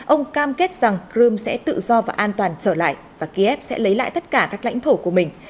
ông cam kết rằng crimea sẽ tự do và an toàn trở lại và kiev sẽ lấy lại tất cả các lãnh thổ của mình